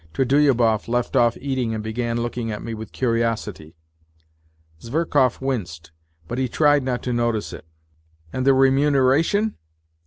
Trudolyubov left off eating and began looking at me with curiosity. Zverkov winced, but he tried not to notice it. " And the remuneration